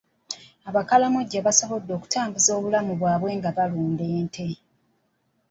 Abakalamojja basobodde okutambuza obulamu bwabwe nga balunda ente.